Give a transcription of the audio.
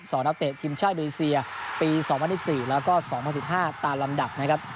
นักเตะทีมชาติอินโดนีเซียปี๒๐๑๔แล้วก็๒๐๑๕ตามลำดับนะครับ